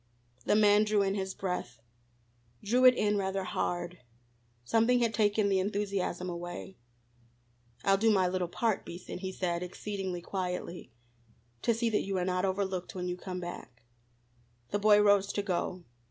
The man drew in his breath, drew it in rather hard; something had taken the enthusiasm away. "I'll do my little part, Beason," he said, exceedingly quietly, "to see that you are not overlooked when you come back." The boy rose to go.